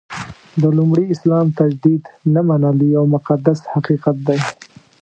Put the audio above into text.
د لومړي اسلام تجدید نه منل یو مقدس حقیقت دی.